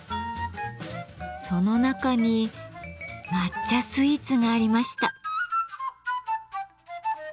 その中に抹茶スイーツがありました。